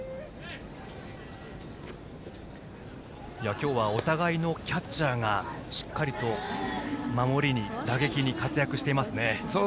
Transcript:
今日はお互いのキャッチャーがしっかりと守りに打撃に活躍していますね。